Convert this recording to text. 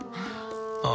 ああ。